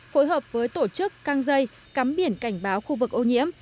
phối hợp với tổ chức căng dây cắm biển cảnh báo khu vực ô nhiễm